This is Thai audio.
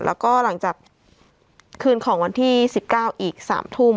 แล้วก็หลังจากคืนของวันที่๑๙อีก๓ทุ่ม